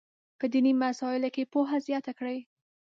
په دیني مسایلو کې پوهه زیاته کړي.